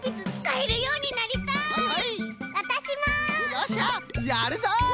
よっしゃやるぞ！